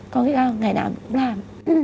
có nghĩa là ngày nào cũng làm